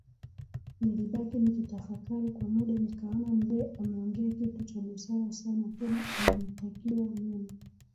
Nilibaki nikitafakari kwa muda nikaona mzee ameongea kitu cha busara sana tena ananitakiwa mema